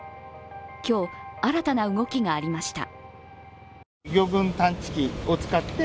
今日、新たな動きがありました。